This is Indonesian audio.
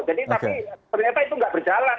jadi tapi ternyata itu nggak berjalan